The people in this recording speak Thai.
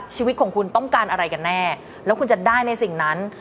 ชีวิตของคุณต้องการอะไรกันแน่แล้วคุณจะได้ในสิ่งนั้น